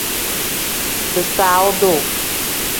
Bisaawu duu.